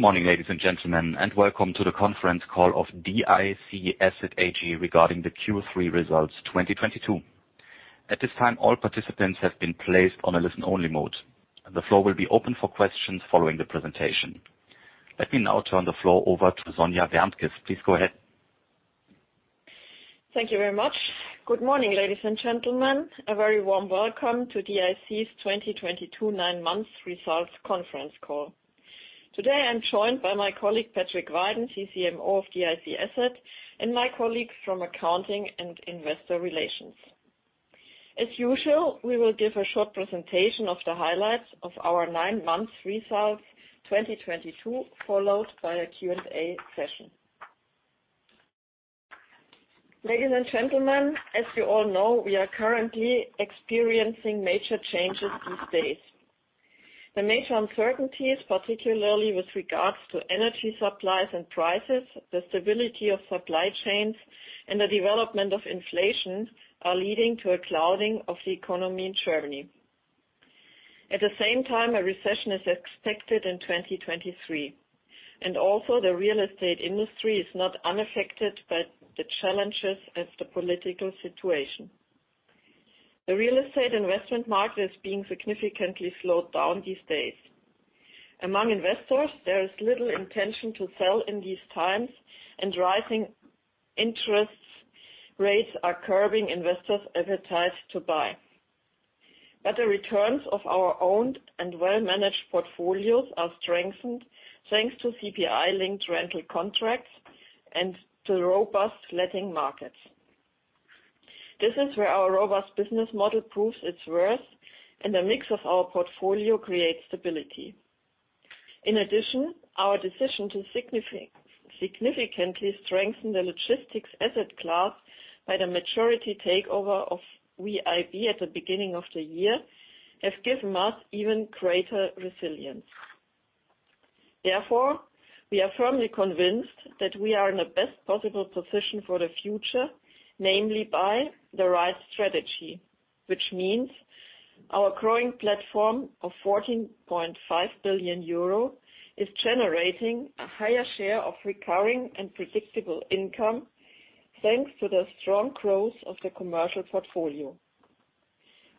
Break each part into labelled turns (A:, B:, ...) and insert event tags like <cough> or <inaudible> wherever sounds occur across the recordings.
A: Good morning, ladies and gentlemen, and welcome to the conference call of DIC Asset AG regarding the Q3 results 2022. At this time, all participants have been placed on a listen-only mode, and the floor will be open for questions following the presentation. Let me now turn the floor over to Sonja Wärntges. Please go ahead.
B: Thank you very much. Good morning, ladies and gentlemen. A very warm welcome to DIC's 2022 9 months results conference call. Today, I'm joined by my colleague Patrick Weiden, CCMO of DIC Asset, and my colleagues from accounting and investor relations. As usual, we will give a short presentation of the highlights of our nine months results 2022, followed by a Q&A session. Ladies and gentlemen, as you all know, we are currently experiencing major changes these days. The major uncertainties, particularly with regards to energy supplies and prices, the stability of supply chains, and the development of inflation, are leading to a clouding of the economy in Germany. At the same time, a recession is expected in 2023, and also the real estate industry is not unaffected by the challenges of the political situation. The real estate investment market is being significantly slowed down these days. Among investors, there is little intention to sell in these times, and rising interest rates are curbing investors' appetite to buy. The returns of our owned and well-managed portfolios are strengthened, thanks to CPI-linked rental contracts and to robust letting markets. This is where our robust business model proves its worth, and the mix of our portfolio creates stability. In addition, our decision to significantly strengthen the logistics asset class by the majority takeover of VIB at the beginning of the year has given us even greater resilience. Therefore, we are firmly convinced that we are in the best possible position for the future, namely by the right strategy, which means our growing platform of 14.5 billion euro is generating a higher share of recurring and predictable income, thanks to the strong growth of the commercial portfolio.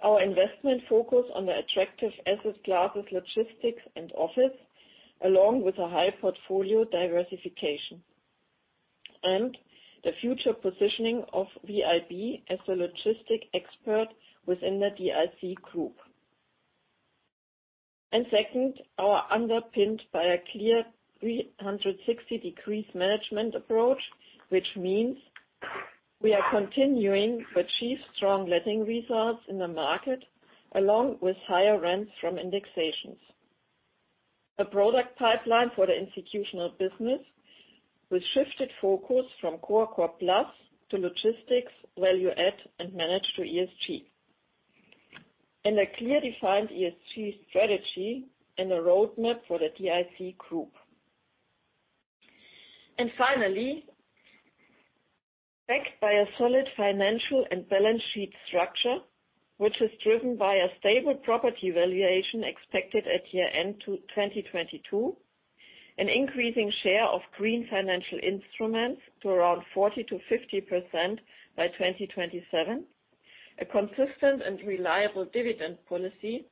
B: Our investment focus on the attractive asset classes, logistics and office, along with a high portfolio diversification and the future positioning of VIB as a logistic expert within the DIC group. Second, are underpinned by a clear 360-degree management approach, which means we are continuing to achieve strong letting results in the market, along with higher rents from indexations. A product pipeline for the institutional business with shifted focus from core plus to logistics, value add and management through ESG. A clearly defined ESG strategy and a roadmap for the DIC group. Finally, backed by a solid financial and balance sheet structure, which is driven by a stable property valuation expected at year-end to 2022, an increasing share of green financial instruments to around 40%-50% by 2027, a consistent and reliable dividend policy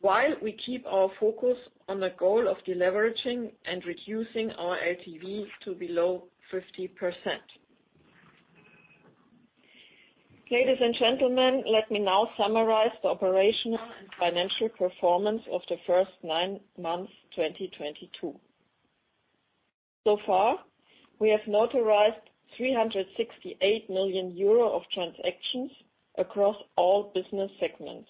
B: while we keep our focus on the goal of deleveraging and reducing our LTVs to below 50%. Ladies and gentlemen, let me now summarize the operational and financial performance of the first nine months, 2022. Far, we have notarized 368 million euro of transactions across all business segments.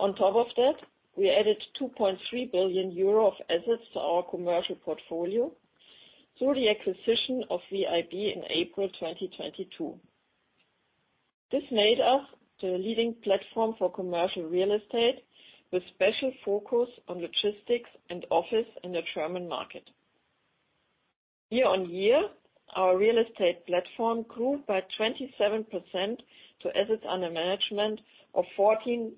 B: On top of that, we added 2.3 billion euro of assets to our commercial portfolio through the acquisition of VIB in April 2022. This made us the leading platform for commercial real estate with special focus on logistics and office in the German market. Year on year, our real estate platform grew by 27% to assets under management of 14.5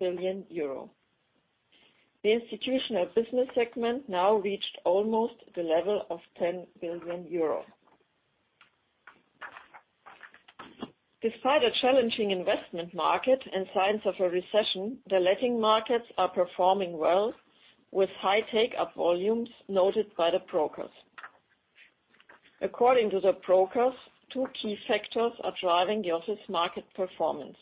B: billion euro. The institutional business segment now reached almost the level of 10 billion euros. Despite a challenging investment market and signs of a recession, the letting markets are performing well with high take-up volumes noted by the brokers. According to the brokers, two key factors are driving the office market performance.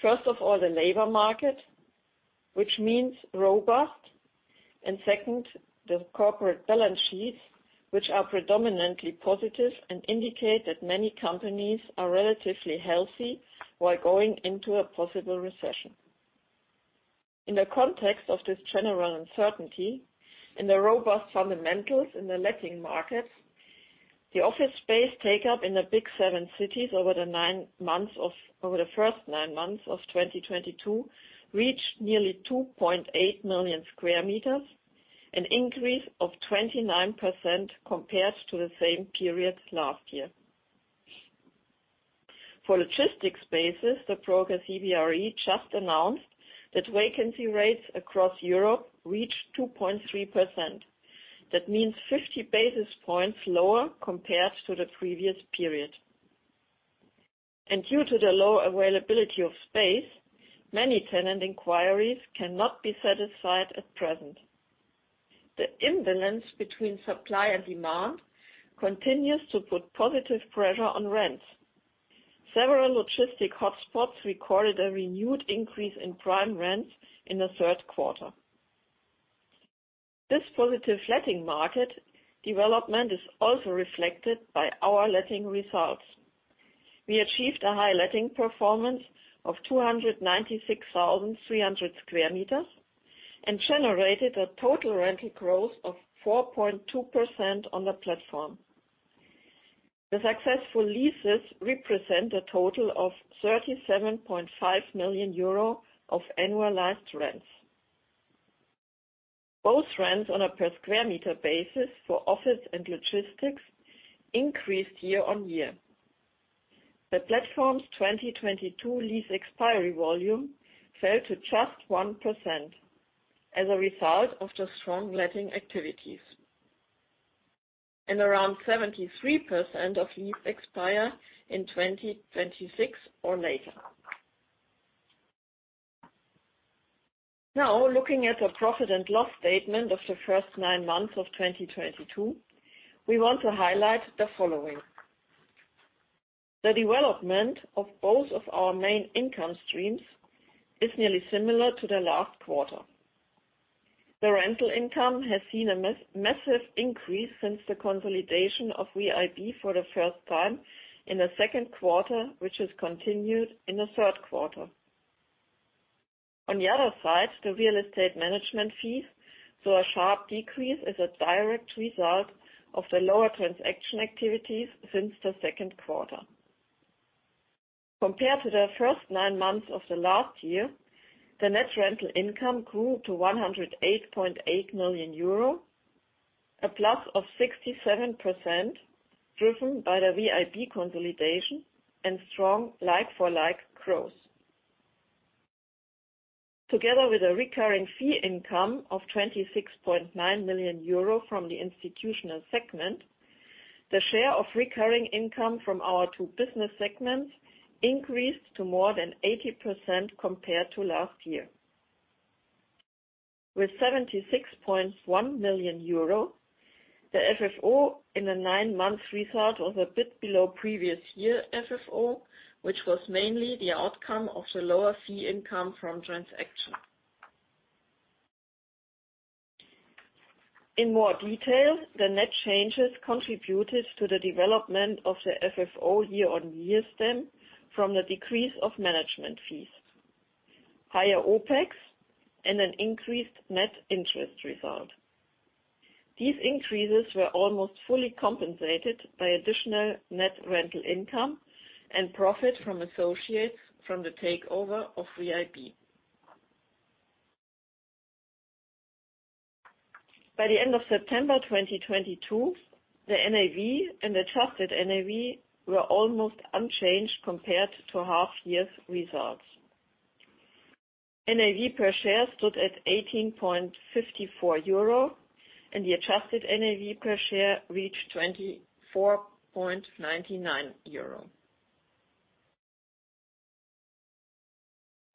B: First of all, the labor market, which means robust. Second, the corporate balance sheets, which are predominantly positive and indicate that many companies are relatively healthy while going into a possible recession. In the context of this general uncertainty and the robust fundamentals in the letting markets, the office space take up in the Big Seven cities over the first nine months of 2022 reached nearly 2.8 million square meters, an increase of 29% compared to the same period last year. For logistics spaces, the broker CBRE just announced that vacancy rates across Europe reached 2.3%. That means 50 basis points lower compared to the previous period. Due to the low availability of space, many tenant inquiries cannot be satisfied at present. The imbalance between supply and demand continues to put positive pressure on rents. Several logistics hotspots recorded a renewed increase in prime rents in the third quarter. This positive letting market development is also reflected by our letting results. We achieved a high letting performance of 296,300 sqm and generated a total rental growth of 4.2% on the platform. The successful leases represent a total of 37.5 million euro of annualized rents. Both rents on a per square meter basis for office and logistics increased year-on-year. The platform's 2022 lease expiry volume fell to just 1% as a result of the strong letting activities. Around 73% of leases expire in 2026 or later. Now, looking at the profit and loss statement of the first nine months of 2022, we want to highlight the following. The development of both of our main income streams is nearly similar to the last quarter. The rental income has seen a massive increase since the consolidation of VIB for the first time in the second quarter, which has continued in the third quarter. On the other side, the real estate management fees saw a sharp decrease as a direct result of the lower transaction activities since the second quarter. Compared to the first nine months of the last year, the net rental income grew to 108.8 million euro, a plus of 67% driven by the VIB consolidation and strong like-for-like growth. Together with a recurring fee income of 26.9 million euro from the institutional segment, the share of recurring income from our two business segments increased to more than 80% compared to last year. With 76.1 million euro, the FFO in the nine-month result was a bit below previous year FFO, which was mainly the outcome of the lower fee income from transaction. In more detail, the net changes contributed to the development of the FFO year-on-year stem from the decrease of management fees, higher OpEx and an increased net interest result. These increases were almost fully compensated by additional net rental income and profit from associates from the takeover of VIB. By the end of September 2022, the NAV and adjusted NAV were almost unchanged compared to half-year results. NAV per share stood at 18.54 euro and the adjusted NAV per share reached 24.99 euro.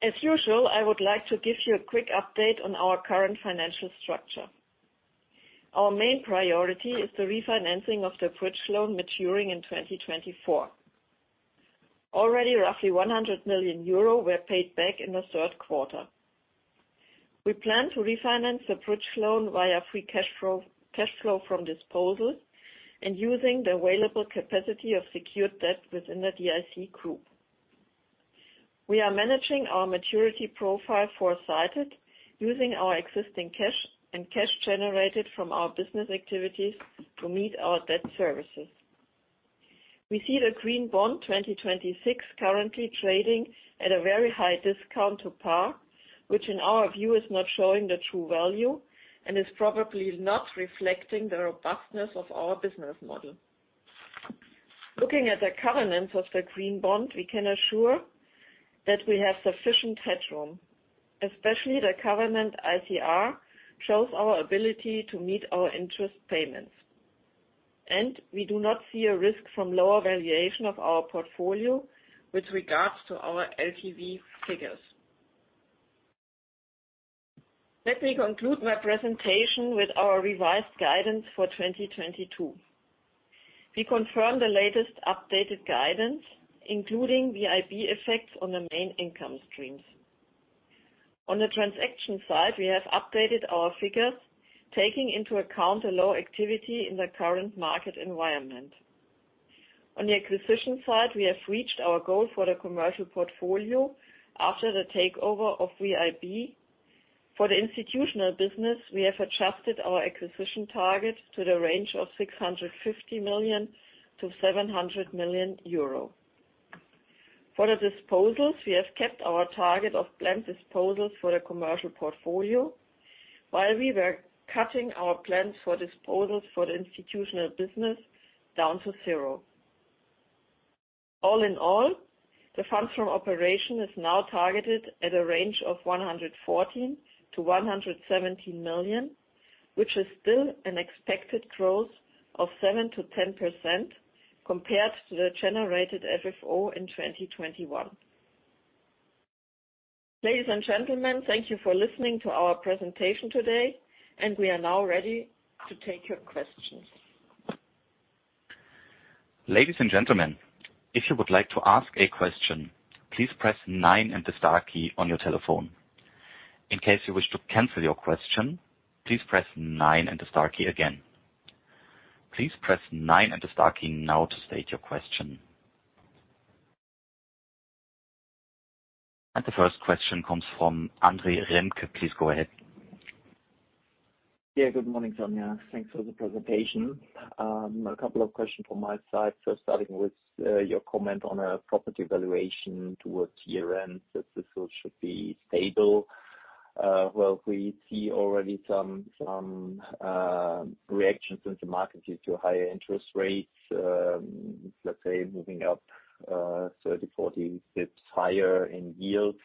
B: As usual, I would like to give you a quick update on our current financial structure. Our main priority is the refinancing of the bridge loan maturing in 2024. Already roughly 100 million euro were paid back in the third quarter. We plan to refinance the bridge loan via free cash flow, cash flow from disposals, and using the available capacity of secured debt within the DIC group. We are managing our maturity profile foresighted using our existing cash and cash generated from our business activities to meet our debt services. We see the Green Bond 2026 currently trading at a very high discount to par, which in our view is not showing the true value and is probably not reflecting the robustness of our business model. Looking at the covenants of the Green Bond, we can assure that we have sufficient headroom, especially the covenant ICR shows our ability to meet our interest payments, and we do not see a risk from lower valuation of our portfolio with regards to our LTV figures. Let me conclude my presentation with our revised guidance for 2022. We confirm the latest updated guidance, including VIB effects on the main income streams. On the transaction side, we have updated our figures taking into account the low activity in the current market environment. On the acquisition side, we have reached our goal for the commercial portfolio after the takeover of VIB. For the institutional business, we have adjusted our acquisition target to the range of 650 million-700 million euro. For the disposals, we have kept our target of planned disposals for the commercial portfolio. While we were cutting our plans for disposals for the institutional business down to zero. All in all, Funds from Operations is now targeted at a range of 114 million-117 million, which is still an expected growth of 7%-10% compared to the generated FFO in 2021. Ladies and gentlemen, thank you for listening to our presentation today, and we are now ready to take your questions.
A: Ladies and gentlemen, if you would like to ask a question, please press nine and the star key on your telephone. In case you wish to cancel your question, please press nine and the star key again. Please press nine and the star key now to state your question. The first question comes from André Remke. Please go ahead.
C: Yeah. Good morning, Sonja. Thanks for the presentation. A couple of questions from my side. Starting with your comment on a property valuation towards year-end, that this all should be stable. Well, we see already some reactions in the market due to higher interest rates, let's say moving up 30, 40 bps higher in yields.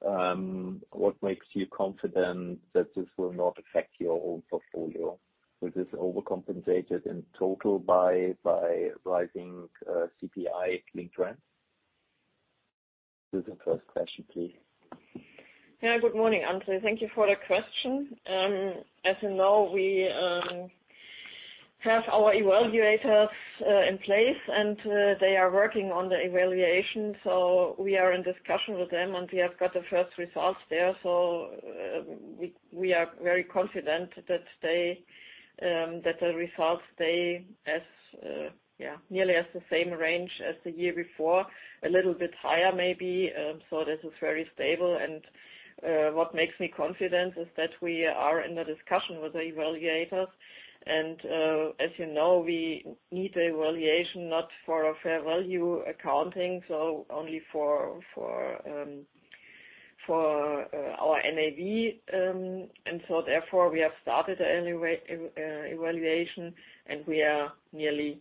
C: What makes you confident that this will not affect your own portfolio? Is this overcompensated in total by rising CPI-linked rents? This is the first question, please.
B: Yeah. Good morning, André. Thank you for the question. As you know, we have our valuers in place, and they are working on the valuation, so we are in discussion with them and we have got the first results there. So, we are very confident that the results stay nearly as the same range as the year before. A little bit higher maybe, so this is very stable. What makes me confident is that we are in a discussion with the valuers and, as you know, we need the valuation not for a fair value accounting, so only for our NAV. Therefore we have started the valuation, and we are nearly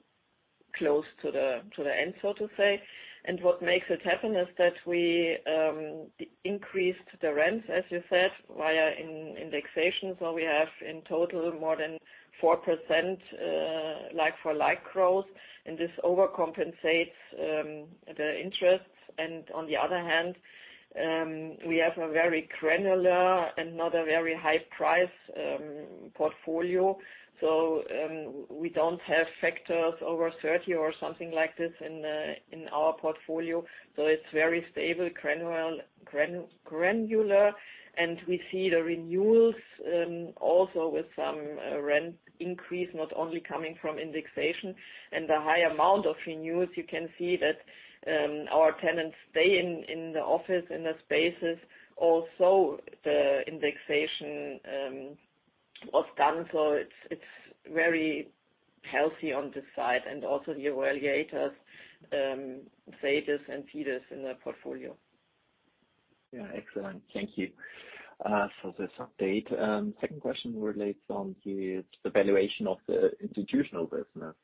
B: close to the end, so to say. What makes it happen is that we increased the rents, as you said, via indexation. We have in total more than 4% like-for-like growth, and this overcompensates the interest. On the other hand, we have a very granular and not a very high-priced portfolio. We don't have factors over 30 or something like this in our portfolio. It's very stable, granular. We see the renewals also with some rent increase, not only coming from indexation and the high amount of renewals. You can see that our tenants stay in the office, in the spaces. The indexation was done. It's very healthy on this side. The evaluators say this and see this in their portfolio.
C: Yeah. Excellent. Thank you for this update. Second question relates to the valuation of the institutional business.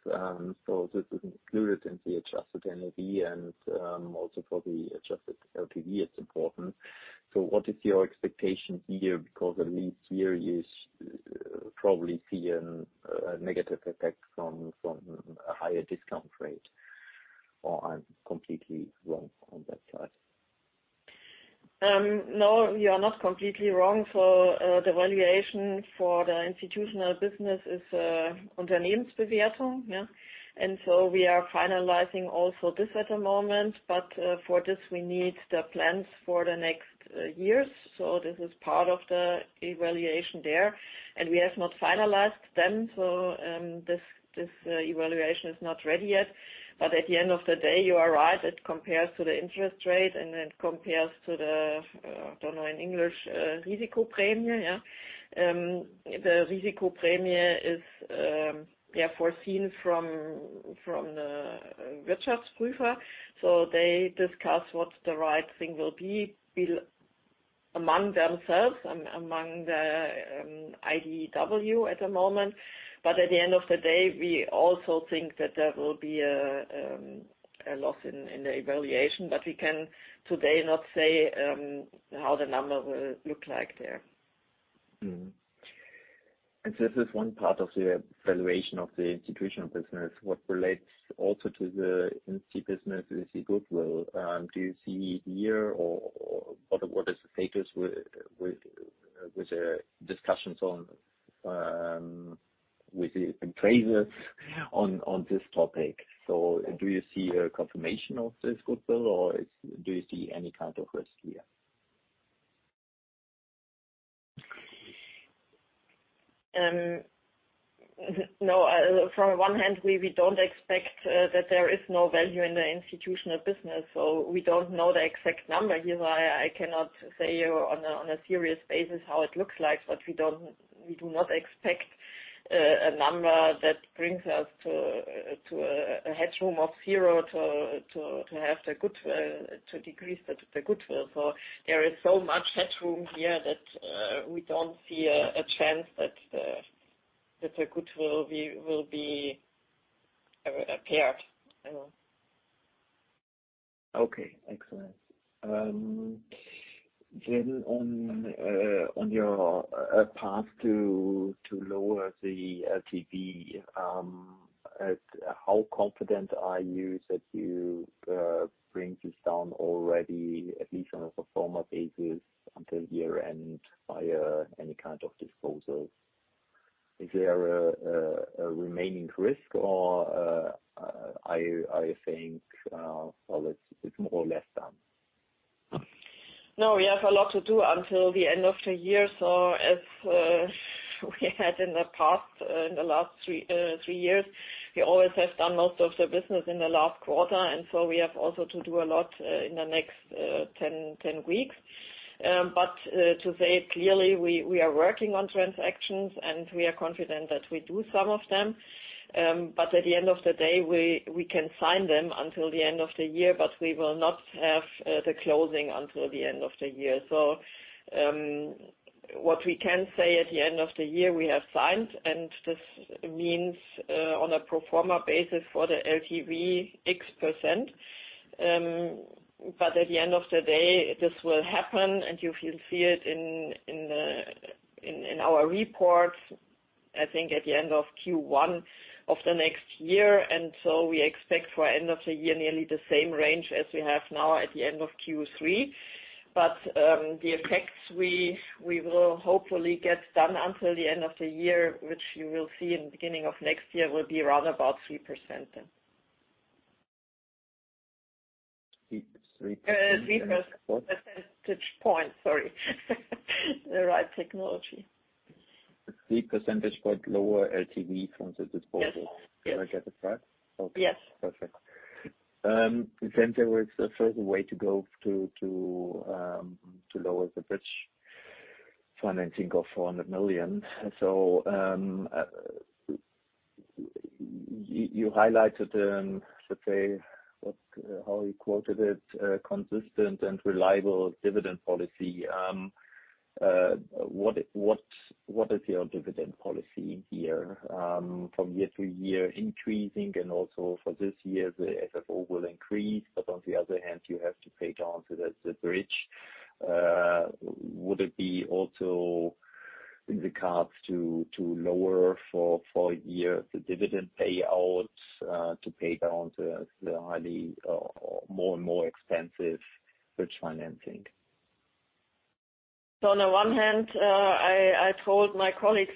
C: This is included in the adjusted NAV and also for the adjusted LTV, it's important. What is your expectation here? Because at least here you're probably seeing a negative effect from a higher discount rate, or I'm completely wrong on that side.
B: No, you are not completely wrong. The valuation for the institutional business is Unternehmensbewertung, yeah. We are finalizing also this at the moment. For this we need the plans for the next years. This is part of the evaluation there, and we have not finalized them. This evaluation is not ready yet. At the end of the day, you are right. It compares to the interest rate and it compares to the, I don't know in English, Risikoprämie, yeah. The Risikoprämie is, yeah, foreseen from the Wirtschaftsprüfer. They discuss what the right thing will be among the IDW at the moment. At the end of the day, we also think that there will be a loss in the evaluation. We can today not say how the number will look like there.
C: Mm-hmm. This is one part of the valuation of the institutional business. What relates also to the NC business is the goodwill. Do you see here or what is the status with the discussions with the appraisers on this topic? Do you see a confirmation of this goodwill or do you see any kind of risk here?
B: No, on one hand, we don't expect that there is no value in the institutional business. We don't know the exact number here. I cannot say on a serious basis how it looks like. We do not expect a number that brings us to a headroom of zero to have the goodwill to decrease the goodwill. There is so much headroom here that we don't see a chance that the goodwill will be impaired, you know.
C: Okay. Excellent. On your path to lower the LTV, how confident are you that you bring this down already, at least on a pro forma basis until year-end via any kind of disposals? Is there a remaining risk or, I think, well, it's more or less done.
B: No, we have a lot to do until the end of the year. As we had in the past, in the last three years, we always have done most of the business in the last quarter, and we have also to do a lot in the next 10 weeks. To say it clearly, we are working on transactions, and we are confident that we do some of them. At the end of the day, we can sign them until the end of the year, but we will not have the closing until the end of the year. What we can say at the end of the year, we have signed, and this means on a pro forma basis for the LTV X%. At the end of the day, this will happen, and you'll see it in our reports, I think, at the end of Q1 of the next year. We expect for end of the year, nearly the same range as we have now at the end of Q3. The effects we will hopefully get done until the end of the year, which you will see in the beginning of next year, will be around about 3% then.
C: 3%.
B: 3 percentage points, sorry. The right technology.
C: 3 percentage points lower LTV from the disposals.
B: Yes. Yes.
C: Did I get it right? Okay.
B: Yes.
C: Perfect. There was a further way to go to lower the bridge financing of 400 million. You highlighted, let's say, how you quoted it, consistent and reliable dividend policy. What is your dividend policy here, from year to year increasing and also for this year, the FFO will increase, but on the other hand, you have to pay down to the bridge. Would it be also in the cards to lower for a year the dividend payout, to pay down the highly, more and more expensive bridge financing?
B: On the one hand, I told my colleagues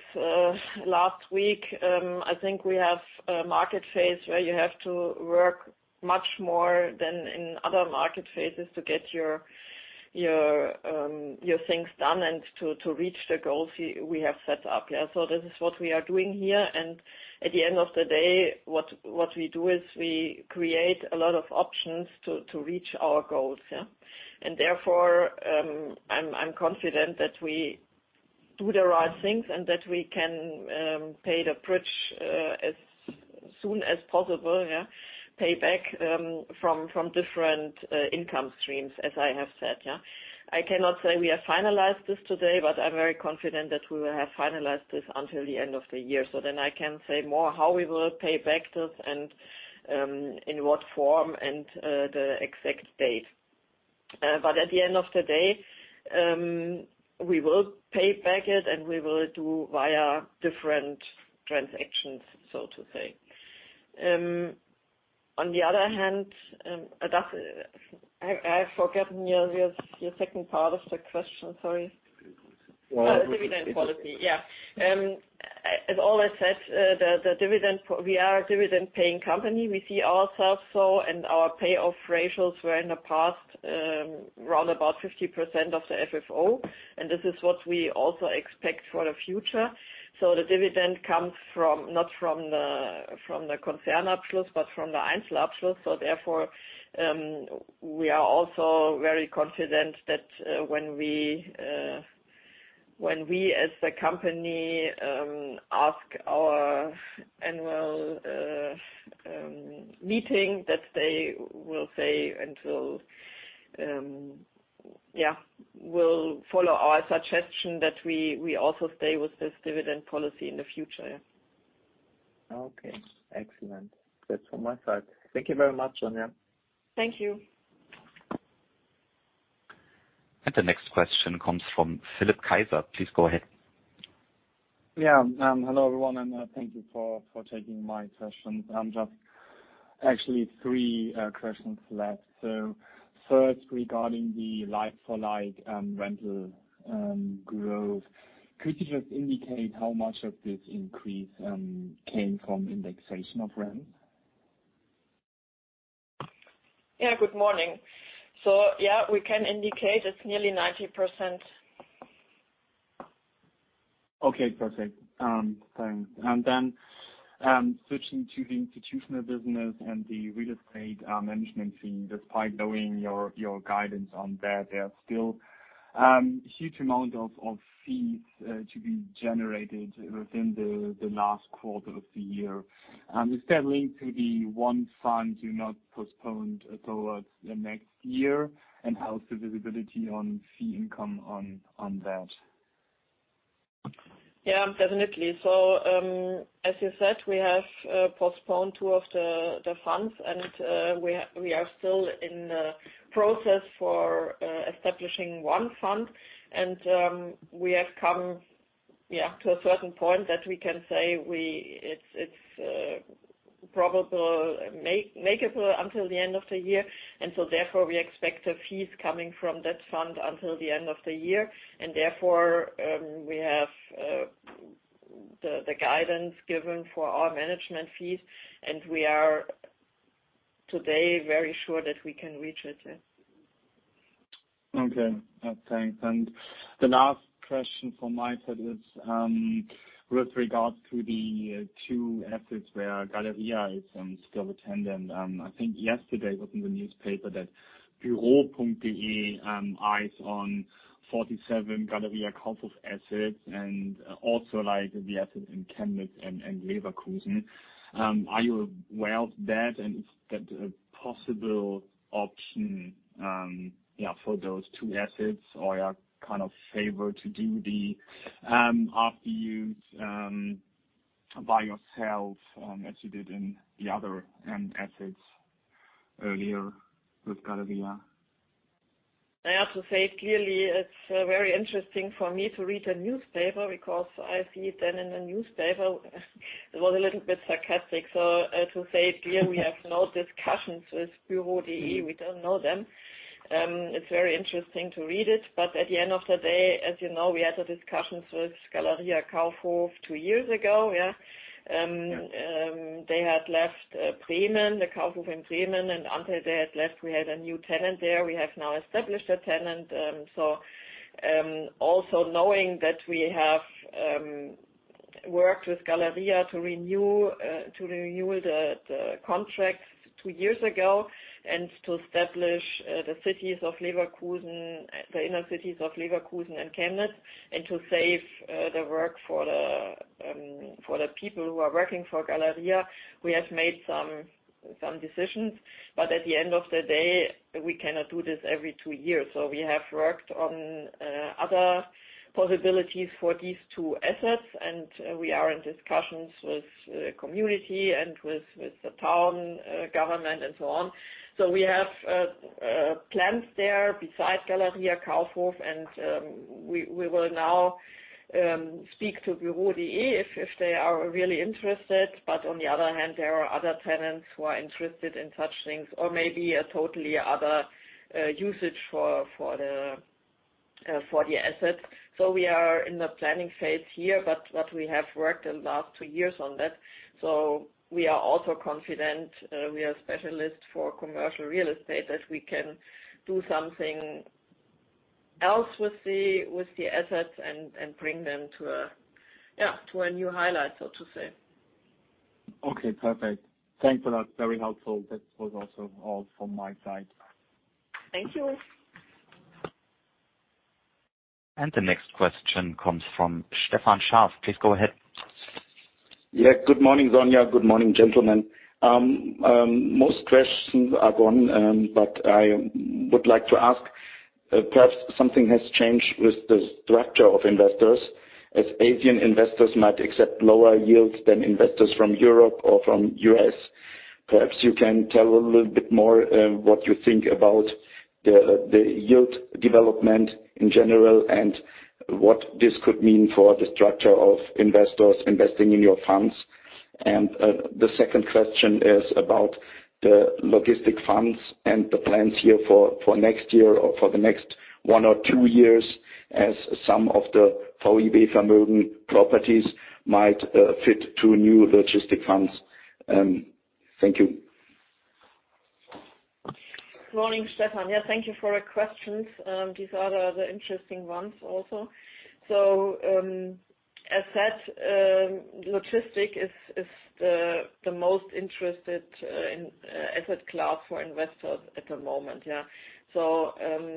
B: last week. I think we have a market phase where you have to work much more than in other market phases to get your things done and to reach the goals we have set up. This is what we are doing here, and at the end of the day, what we do is we create a lot of options to reach our goals. Therefore, I'm confident that we do the right things and that we can pay back the bridge as soon as possible from different income streams, as I have said. I cannot say we have finalized this today, but I'm very confident that we will have finalized this until the end of the year. I can say more how we will pay back this and in what form and the exact date. But at the end of the day, we will pay back it, and we will do via different transactions, so to say. On the other hand, I forgot your second part of the question, sorry.
C: Dividend policy.
B: Dividend policy. Yeah. As always said, the dividend policy. We are a dividend paying company. We see ourselves so, and our payout ratios were in the past, around about 50% of the FFO. This is what we also expect for the future. The dividend comes from, not from the Konzernabschluss, but from the Einzelabschluss. Therefore, we are also very confident that, when we, as the company, ask our annual meeting that they will say yes. Yeah, we'll follow our suggestion that we also stay with this dividend policy in the future, yeah.
C: Okay. Excellent. That's from my side. Thank you very much, Sonja.
B: Thank you.
A: The next question comes from Philipp Kaiser. Please go ahead.
D: Hello, everyone, and thank you for taking my question. I just have three questions left. First, regarding the like-for-like rental growth, could you just indicate how much of this increase came from indexation of rent?
B: Yeah, good morning. Yeah, we can indicate it's nearly 90%.
D: Okay, perfect. Thanks. Switching to the institutional business and the real estate management fee, despite knowing your guidance on that, there are still huge amount of fees to be generated within the last quarter of the year. Is that linked to the one fund you now postponed towards the next year? How's the visibility on fee income on that?
B: Yeah, definitely. As you said, we have postponed two of the funds, and we are still in the process for establishing one fund. We have come to a certain point that we can say it's probable makeable until the end of the year. Therefore, we expect the fees coming from that fund until the end of the year. Therefore, we have the guidance given for our management fees, and we are today very sure that we can reach it.
D: Okay. Thanks. The last question from my side is with regards to the two assets where Galeria is still a tenant. I think yesterday it was in the newspaper that buero.de eyes on 47 Galeria Kaufhof assets and also like the asset in Chemnitz and Leverkusen. Are you aware of that and is that a possible option, yeah, for those two assets? Or are you kind of favoring to do it by yourself as you did in the other tenanted assets earlier with Galeria.
B: I have to say it clearly, it's very interesting for me to read a newspaper because I see it then in the newspaper it was a little bit sarcastic. To say it clear, we have no discussions with buero.de. We don't know them. It's very interesting to read it, but at the end of the day, as you know, we had the discussions with Galeria Kaufhof two years ago, yeah. They had left Bremen, the Kaufhof in Bremen. Until they had left, we had a new tenant there. We have now established a tenant. Also knowing that we have worked with Galeria to renew the contracts two years ago and to establish the inner cities of Leverkusen and Chemnitz, and to save the work for the people who are working for Galeria, we have made some decisions. At the end of the day, we cannot do this every two years. We have worked on other possibilities for these two assets, and we are in discussions with the community and with the town government and so on. We have plans there besides Galeria Kaufhof, and we will now speak to buero.de if they are really interested. On the other hand, there are other tenants who are interested in such things or maybe a totally other usage for the assets. We are in the planning phase here, but we have worked the last two years on that. We are also confident, we are specialists for commercial real estate, that we can do something else with the assets and bring them to a, yeah, to a new highlight, so to say.
D: Okay, perfect. Thanks for that. Very helpful. That was also all from my side.
B: Thank you.
A: The next question comes from Stefan Scharff. Please go ahead.
E: Yeah. Good morning, Sonja. Good morning, gentlemen. Most questions are gone, but I would like to ask, perhaps something has changed with the structure of investors as Asian investors might accept lower yields than investors from Europe or from U.S. Perhaps you can tell a little bit more, what you think about the yield development in general and what this could mean for the structure of investors investing in your funds. The second question is about the logistics funds and the plans here for next year or for the next one or two years as some of the VIB Vermögen properties might fit into new logistics funds. Thank you.
B: Morning, Stefan. Yeah, thank you for the questions. These are the interesting ones also. As said, logistics is the most interesting asset class for investors at the moment, yeah.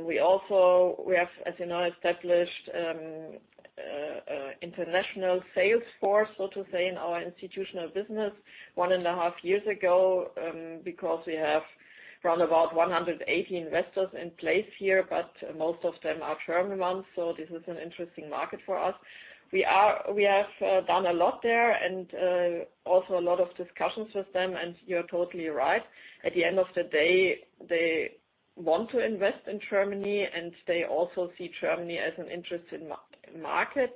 B: We also have, as you know, established an international sales force, so to say, in our institutional business one and a half years ago, because we have around about 180 investors in place here, but most of them are German ones, so this is an interesting market for us. We have done a lot there and also a lot of discussions with them, and you're totally right. At the end of the day, they want to invest in Germany, and they also see Germany as an interesting market,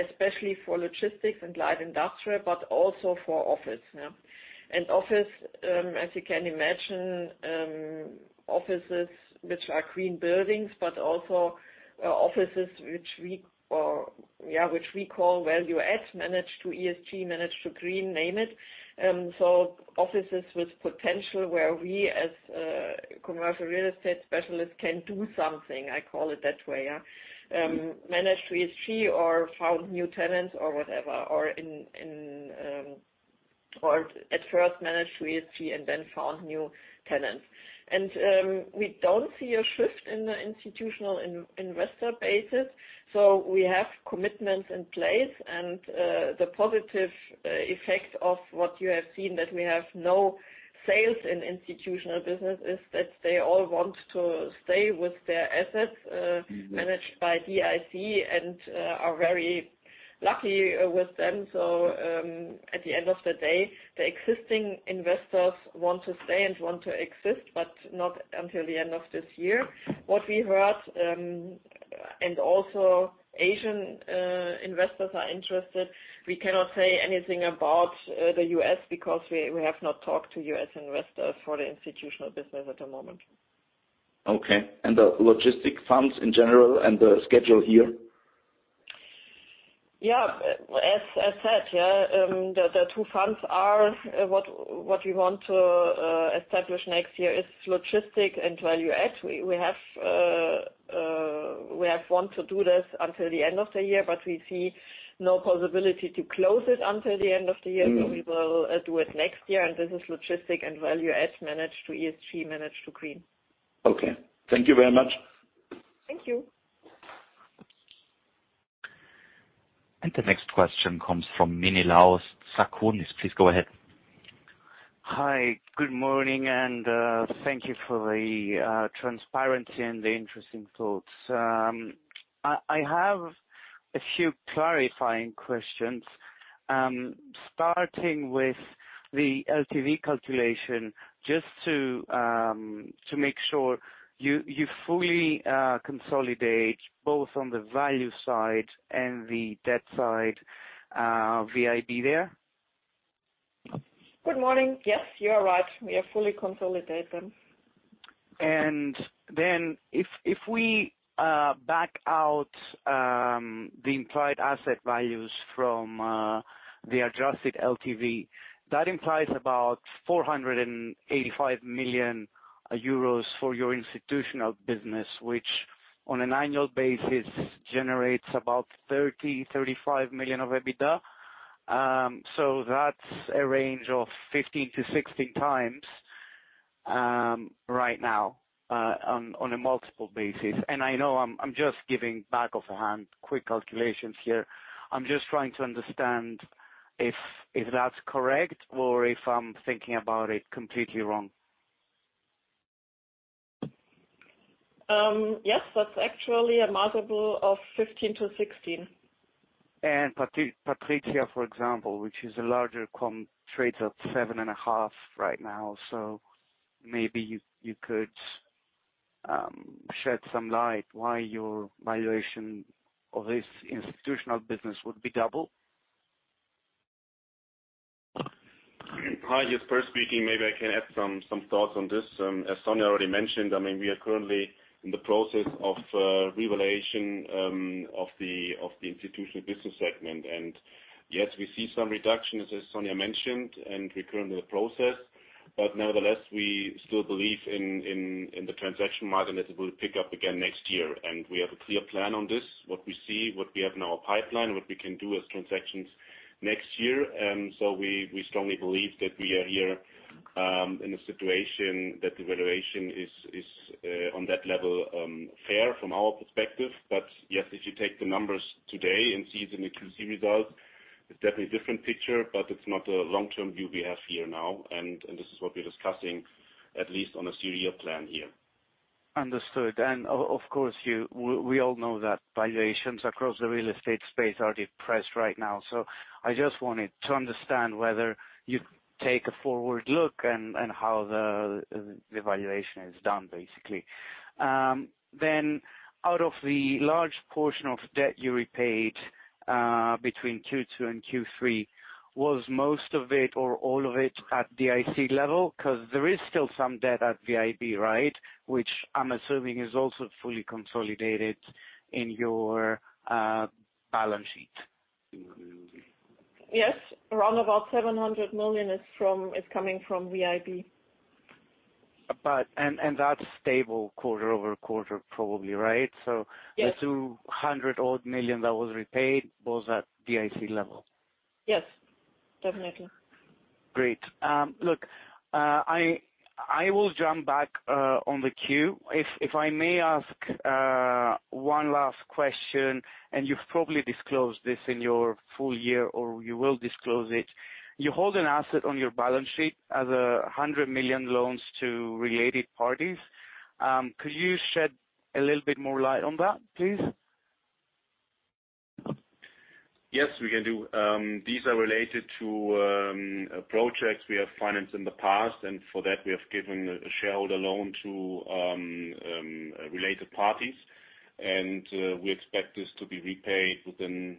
B: especially for logistics and light industrial, but also for office. Office, as you can imagine, offices which are green buildings, but also, offices which we call value add, manage to ESG, manage to green, name it. So offices with potential where we as commercial real estate specialists can do something. I call it that way. Manage to ESG or find new tenants or whatever, at first managed to ESG and then find new tenants. We don't see a shift in the institutional investor basis, so we have commitments in place. The positive effect of what you have seen, that we have no sales in institutional business, is that they all want to stay with their assets.
E: Mm-hmm.
B: Managed by DIC and are very lucky with them. At the end of the day, the existing investors want to stay and want to exist, but not until the end of this year. What we heard, and also Asian investors are interested. We cannot say anything about the U.S. because we have not talked to U.S. investors for the institutional business at the moment.
E: Okay. The logistics funds in general and the schedule here?
B: As said, what we want to establish next year is logistics and value add. We wanted to do this until the end of the year, but we see no possibility to close it until the end of the year. We will do it next year, and this is logistics and value-add managed to ESG, managed to green.
E: Okay. Thank you very much.
B: Thank you.
A: The next question comes from Menelaos Tsakonas. Please go ahead.
F: Hi. Good morning, and thank you for the transparency and the interesting thoughts. I have a few clarifying questions, starting with the LTV calculation, just to make sure you fully consolidate both on the value side and the debt side, VIB there?
B: Good morning. Yes, you are right. We fully consolidate them.
F: If we back out the implied asset values from the adjusted LTV, that implies about 485 million euros for your institutional business, which on an annual basis generates about 35 million of EBITDA. That's a range of 15-16x right now on a multiple basis. I know I'm just giving back-of-the-envelope quick calculations here. I'm just trying to understand if that's correct or if I'm thinking about it completely wrong.
B: Yes, that's actually a multiple of 15x-16x.
F: PATRIZIA, for example, which is a larger comp, trades at 7.5 right now. Maybe you could shed some light why your valuation of this institutional business would be double?
G: Hi, just Peer speaking. Maybe I can add some thoughts on this. As Sonja already mentioned, I mean, we are currently in the process of revaluation of the institutional business segment. Yes, we see some reductions, as Sonja mentioned, and we're currently in the process. But nevertheless, we still believe in the transaction market that it will pick up again next year. We have a clear plan on this, what we see, what we have in our pipeline, and what we can do as transactions next year. We strongly believe that we are here in a situation that the valuation is on that level fair from our perspective. Yes, if you take the numbers today and see the Q3 result, it's definitely a different picture, but it's not a long-term view we have here now. This is what we're discussing, at least on a three-year plan here.
F: Understood. Of course, we all know that valuations across the real estate space are depressed right now. I just wanted to understand whether you take a forward look and how the valuation is done, basically. Then out of the large portion of debt you repaid between Q2 and Q3, was most of it or all of it at DIC level? 'Cause there is still some debt at VIB, right? Which I'm assuming is also fully consolidated in your balance sheet.
B: Yes. Around about 700 million is coming from VIB.
F: That's stable quarter-over-quarter, probably, right?
B: Yes.
F: The 200-odd million that was repaid was at DIC level.
B: Yes, definitely.
F: Great. Look, I will jump back on the queue. If I may ask one last question, you've probably disclosed this in your full year, or you will disclose it. You hold an asset on your balance sheet as 100 million loans to related parties. Could you shed a little bit more light on that, please?
G: Yes, we can do. These are related to projects we have financed in the past, and for that we have given a shareholder loan to related parties. We expect this to be repaid within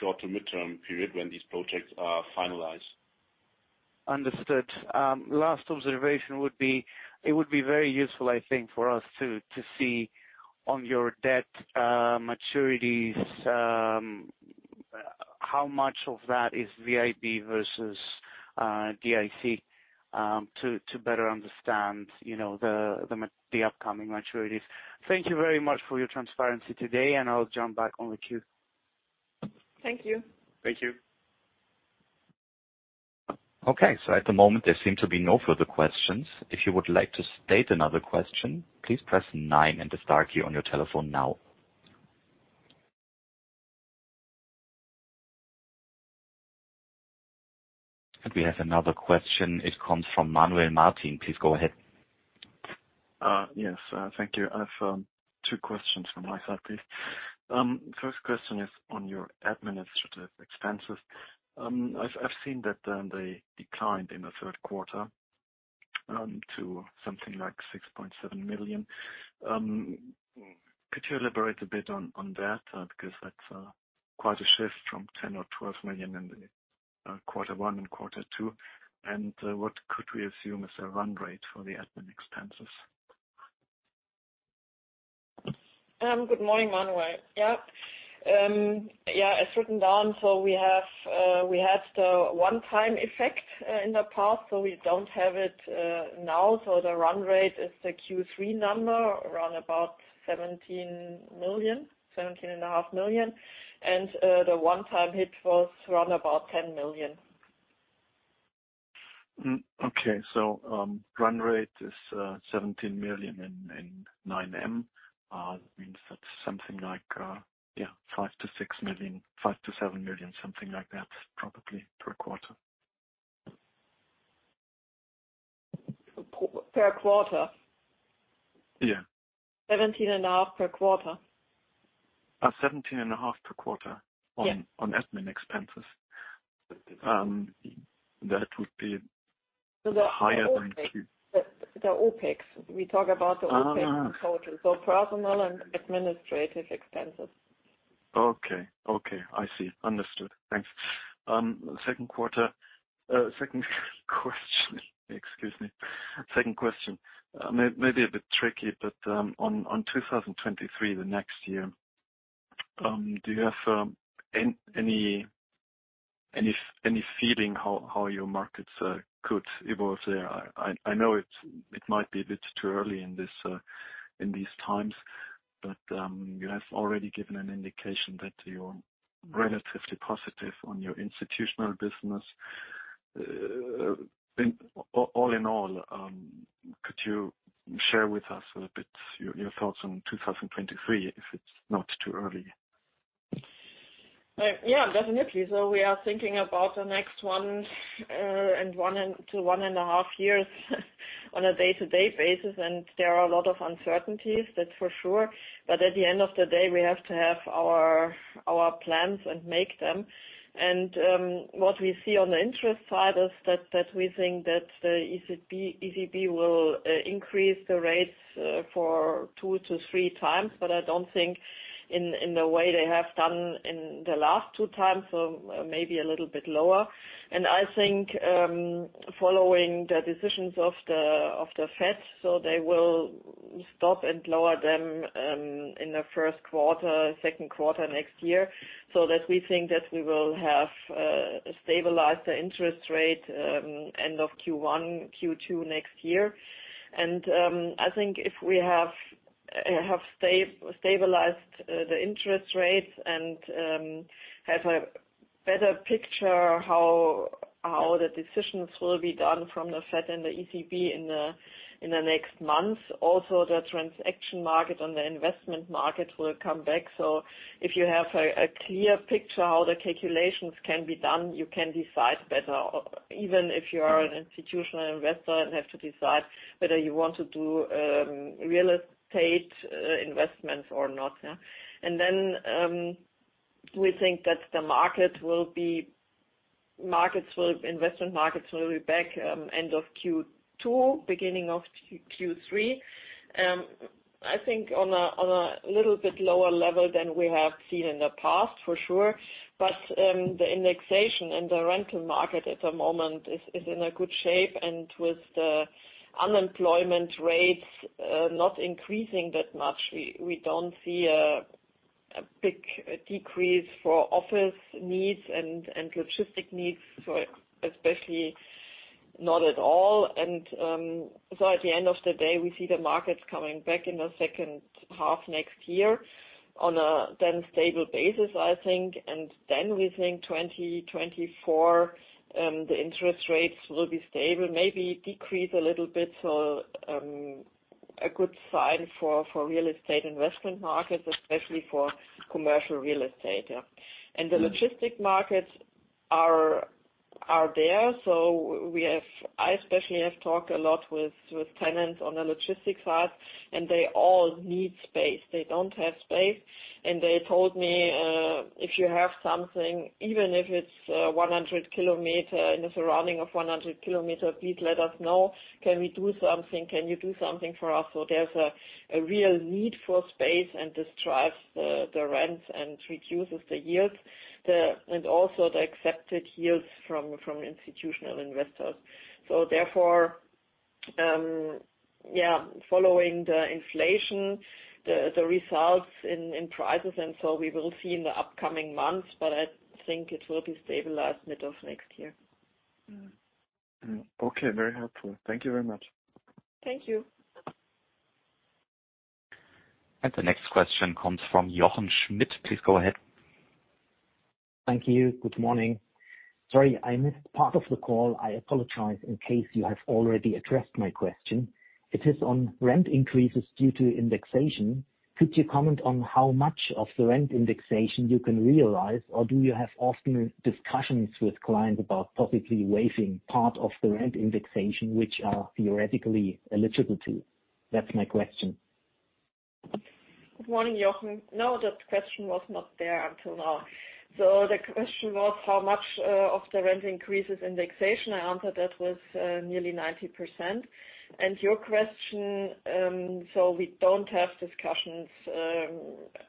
G: short to midterm period when these projects are finalized.
F: Understood. Last observation would be, it would be very useful, I think, for us to see on your debt maturities how much of that is VIB versus DIC to better understand, you know, the upcoming maturities. Thank you very much for your transparency today, and I'll jump back on the queue.
B: Thank you.
G: Thank you.
A: Okay. At the moment, there seem to be no further questions. If you would like to state another question, please press nine and the star key on your telephone now. We have another question. It comes from Manuel Martin. Please go ahead.
H: Yes, thank you. I've two questions from my side, please. First question is on your administrative expenses. I've seen that they declined in the third quarter to something like 6.7 million. Could you elaborate a bit on that? Because that's quite a shift from 10 million or 12 million in quarter one and quarter two. What could we assume is a run rate for the admin expenses?
B: Good morning, Manuel. It's written down. We had the one-time effect in the past, so we don't have it now. The run rate is the Q3 number, around about 17 million, 17.5 million. The one-time hit was around about EUR 10 million.
H: Run rate is 17 million and 9 million. Means that's something like 5 million-6 million. 5 million-7 million, something like that, probably per quarter.
B: Per quarter?
H: Yeah.
B: 17.5 per quarter?
H: 17.5 per quarter.
B: Yeah. On admin expenses. That would be higher than Q. The OpEx. We talk about the OpEx in total. Personal and administrative expenses.
H: Okay. I see. Understood. Thanks. Second question, excuse me. Second question. Maybe a bit tricky, but on 2023, the next year, do you have any feeling how your markets could evolve there? I know it might be a bit too early in these times, but you have already given an indication that you're relatively positive on your institutional business. All in all, could you share with us a little bit your thoughts on 2023, if it's not too early?
B: Yeah, definitely. We are thinking about the next one, and one to one and a half years on a day-to-day basis, and there are a lot of uncertainties, that's for sure. At the end of the day, we have to have our plans and make them. What we see on the interest side is that we think that the ECB will increase the rates for 2x-3x. I don't think in the way they have done in the last 2x, so maybe a little bit lower. I think following the decisions of the Fed, so they will stop and lower them in the first quarter, second quarter next year. We think that we will have stabilized the interest rate end of Q1, Q2 next year. I think if we have stabilized the interest rates and have a better picture how the decisions will be done from the Fed and the ECB in the next months, also the transaction market and the investment market will come back. If you have a clear picture how the calculations can be done, you can decide better. Even if you are an institutional investor and have to decide whether you want to do real estate investments or not. We think that investment markets will be back end of Q2, beginning of Q3. I think on a little bit lower level than we have seen in the past, for sure. The indexation and the rental market at the moment is in a good shape. With the unemployment rates not increasing that much, we don't see a big decrease for office needs and logistics needs, especially not at all. At the end of the day, we see the markets coming back in the second half next year on a then stable basis, I think. We think 2024 the interest rates will be stable, maybe decrease a little bit. A good sign for real estate investment markets, especially for commercial real estate, yeah. The logistics markets are there. We have. I especially have talked a lot with tenants on the logistics side, and they all need space. They don't have space. They told me, "If you have something, even if it's 100 km, in the surrounding of 100 km, please let us know. Can we do something? Can you do something for us?" There's a real need for space, and this drives the rents and reduces the yields and also the accepted yields from institutional investors. Following the inflation, the results in prices, we will see in the upcoming months, but I think it will be stabilized mid next year.
H: Okay. Very helpful. Thank you very much.
B: Thank you.
A: The next question comes from Jochen Schmitt. Please go ahead.
I: Thank you. Good morning. Sorry, I missed part of the call. I apologize in case you have already addressed my question. It is on rent increases due to indexation. Could you comment on how much of the rent indexation you can realize? Or do you have often discussions with clients about possibly waiving part of the rent indexation, which are theoretically eligible to? That's my question.
B: Good morning, Jochen. No, that question was not there until now. The question was how much of the rent increases indexation. I answered that with nearly 90%. Your question, we don't have discussions,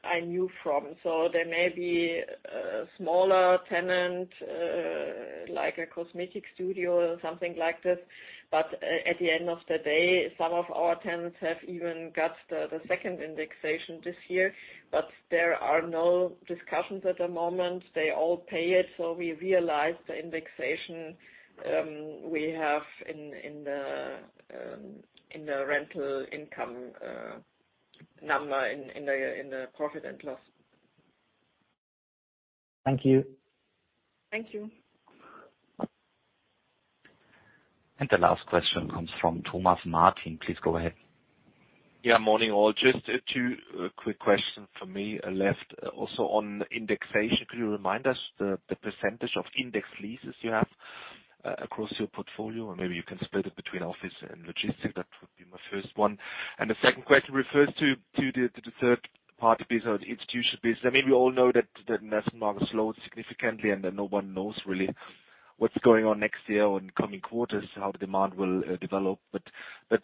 B: I knew from. There may be a smaller tenant, like a cosmetic studio or something like this. But at the end of the day, some of our tenants have even got the second indexation this year, but there are no discussions at the moment. They all pay it, so we realize the indexation we have in the rental income number in the profit and loss.
I: Thank you.
B: Thank you.
A: The last question comes from Thomas Neuhold. Please go ahead.
J: Morning all. Just two quick questions for me left, also on indexation. Could you remind us the percentage of index leases you have across your portfolio? Or maybe you can split it between office and logistics. That would be my first one. The second question refers to the third party business, institutional business. I mean, we all know that the national market slowed significantly, and that no one knows really what's going on next year or in coming quarters, how the demand will develop. What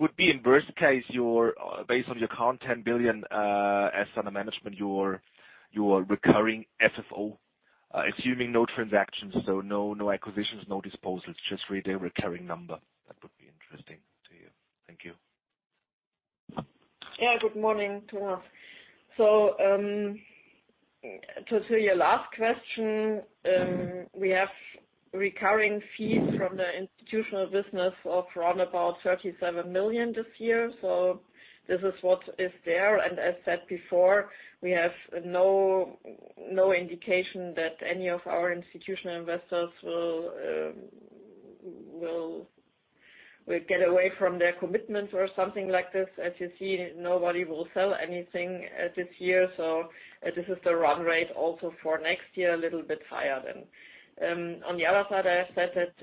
J: would be in worst case your, based on your current 10 billion assets under management, your recurring FFO, assuming no transactions, so no acquisitions, no disposals, just really a recurring number. That would be interesting to hear. Thank you.
B: Yeah, good morning, Thomas. To your last question, we have recurring fees from the institutional business of around 37 million this year. This is what is there. As said before, we have no indication that any of our institutional investors will get away from their commitments or something like this. As you see, nobody will sell anything this year. This is the run rate also for next year, a little bit higher than. On the other side, I have said that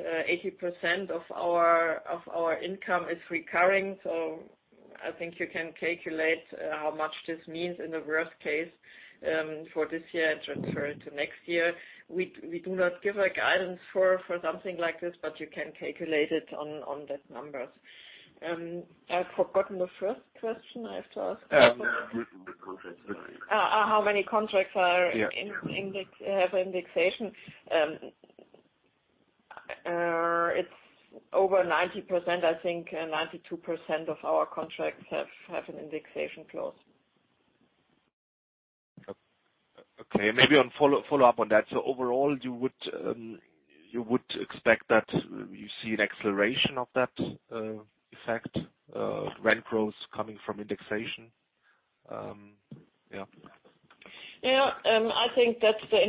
B: 80% of our income is recurring. I think you can calculate how much this means in the worst case for this year transferred to next year. We do not give a guidance for something like this, but you can calculate it on the numbers. I've forgotten the first question. I have to ask.
J: Um <inaudible>
B: How many contracts are?
J: Yeah.
B: It's over 90%, I think. 92% of our contracts have an indexation clause.
J: Okay. Maybe on follow-up on that. Overall, you would expect that you see an acceleration of that effect, rent growth coming from indexation.
B: Yeah. I think that the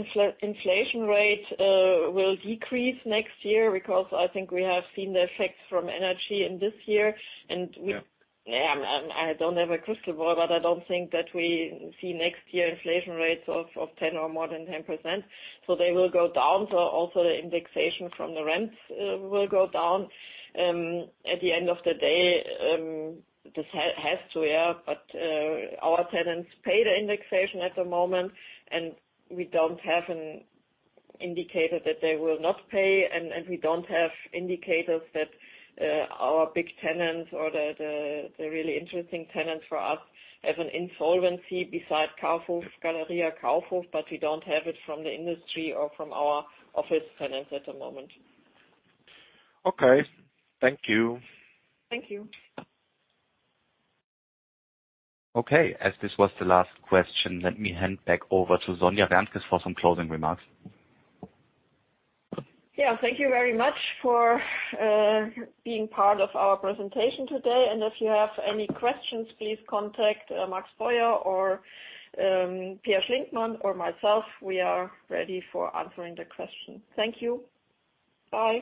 B: inflation rate will decrease next year because I think we have seen the effects from energy in this year.
J: Yeah.
B: Yeah. I don't have a crystal ball, but I don't think that we see next year inflation rates of 10 or more than 10%. They will go down. Also the indexation from the rents will go down. At the end of the day, this has to. But our tenants pay the indexation at the moment, and we don't have an indicator that they will not pay, and we don't have indicators that our big tenants or the really interesting tenants for us have an insolvency besides Kaufhof, Galeria Kaufhof, but we don't have it from the industry or from our office tenants at the moment.
J: Okay. Thank you.
B: Thank you.
A: Okay. As this was the last question, let me hand back over to Sonja Wärntges for some closing remarks.
B: Yeah. Thank you very much for being part of our presentation today. If you have any questions, please contact Max Bauer or Peer Schlinkmann or myself. We are ready for answering the question. Thank you. Bye.